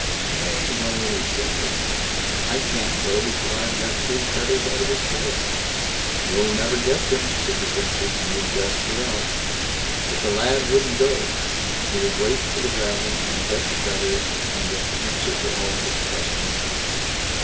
"Nay! nay!" said the lad; "I can't go before I've got three feathers out of his tail." "You'll never get them", said, the Princess; "you'd best be off." But the lad wouldn't go; he would wait for the Dragon, and get the feathers, and an answer to all his questions.